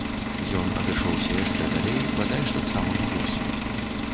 Ён адышоўся яшчэ далей, бадай што к самаму лесу.